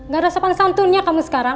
gak ada sopan santunnya kamu sekarang